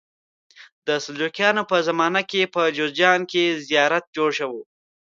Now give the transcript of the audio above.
د سلجوقیانو په زمانه کې په جوزجان کې زیارت جوړ شو.